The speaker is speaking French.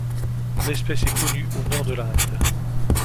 L'espèce est connue au Nord de l'Inde.